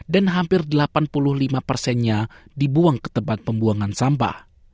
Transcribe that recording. dan hampir delapan puluh lima persennya dibuang ke tempat pembuangan sampah